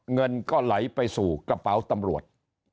เงินก็ไหลไปสู่กระเป๋าตำรวจ